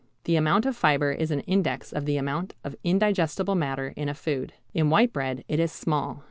The amount of fibre is an index of the amount of indigestible matter in a food. In white bread it is small.